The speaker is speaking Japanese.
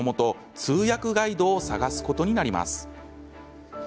通訳ガイドを探すことになります。